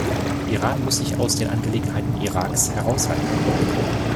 Iran muss sich aus den Angelegenheiten Iraks heraushalten.